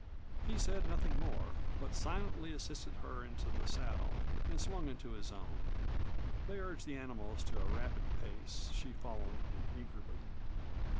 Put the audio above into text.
He said nothing more, but silently assisted her into the saddle and swung into his own. They urged the animals to a rapid pace, she following him eagerly.